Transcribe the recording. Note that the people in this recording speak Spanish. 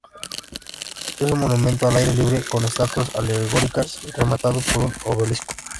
Es un monumento al aire libre, con estatuas alegóricas, rematado por un obelisco.